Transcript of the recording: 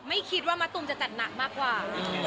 ไม่คิดว่ามะตูมจะจัดหนักมากกว่า